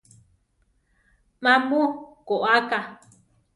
Má mu koáka?